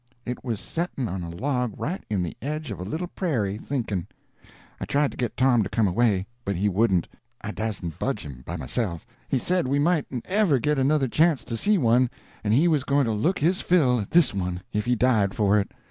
It was setting on a log right in the edge of a little prairie, thinking. I tried to get Tom to come away, but he wouldn't, and I dasn't budge by myself. He said we mightn't ever get another chance to see one, and he was going to look his fill at this one if he died for it.